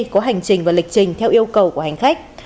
có hành trình và lịch trình theo yêu cầu của hành khách